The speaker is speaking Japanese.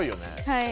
はい。